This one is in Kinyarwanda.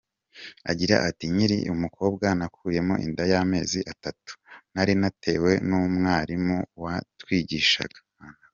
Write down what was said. Agira ati “ Nkiri umukobwa nakuyemo inda y’amezi atatu nari natewe n’umwarimu watwigishaga.